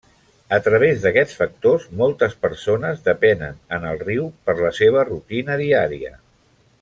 A través d'aquests factors, moltes persones depenen en el riu per la seva rutina diària.